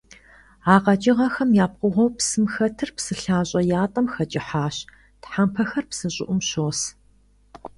А къэкӀыгъэхэм я пкъыгъуэу псым хэтыр псы лъащӀэ ятӀэм хэкӀыхьащ, тхьэмпэхэр псы щӀыӀум щос.